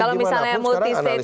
kalau misalnya multistate